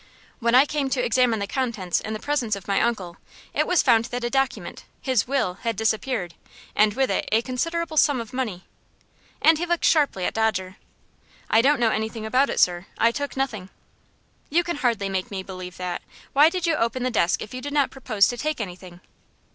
"When I came to examine the contents in the presence of my uncle, it was found that a document his will had disappeared, and with it a considerable sum of money." And he looked sharply at Dodger. "I don't know anything about it, sir. I took nothing." "You can hardly make me believe that. Why did you open the desk if you did not propose to take anything?"